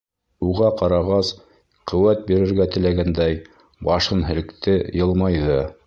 Уға ҡарағас, ҡеүәт бирергә теләгәндәй, башын һелкте, йылмайҙы.